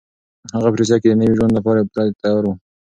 هغه په روسيه کې د نوي ژوند لپاره پوره تيار و.